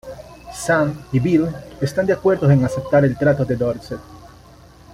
Sam y Bill están de acuerdo en aceptar el trato de Dorset.